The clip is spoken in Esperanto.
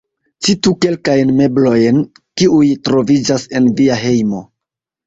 Citu kelkajn meblojn, kiuj troviĝas en via hejmo?